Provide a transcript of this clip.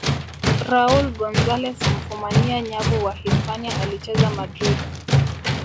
raul gonzalez mfumania nyavu wa hispania alicheza madrid